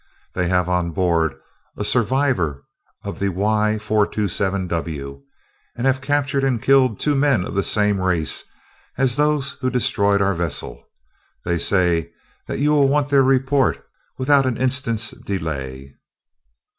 They have on board a survivor of the Y427W, and have captured and killed two men of the same race as those who destroyed our vessel. They say that you will want their report without an instant's delay."